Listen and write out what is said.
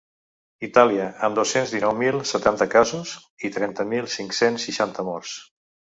Itàlia, amb dos-cents dinou mil setanta casos i trenta mil cinc-cents seixanta morts.